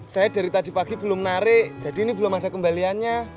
saya dari tadi pagi belum narik jadi ini belum ada kembaliannya